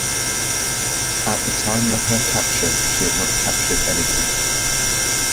At the time of her capture she had not captured anything.